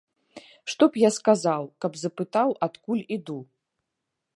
Што б я сказаў, каб запытаў, адкуль іду?